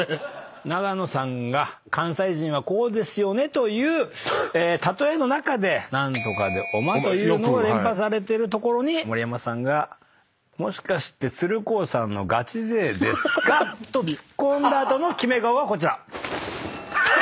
永野さんが関西人はこうですよねという例えの中で「何とかでおま」というのを連発されてるところに盛山さんが「もしかして鶴光さんのガチ勢ですか？」とツッコんだ後のキメ顔がこちら。